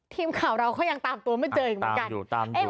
ทีมข่าวเราก็ยังตามตัวไม่เจออีกเหมือนกัน